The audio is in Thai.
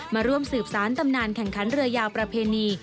มาร่วมสืบสารตำนานแข่งขันเรือยาวประเพณี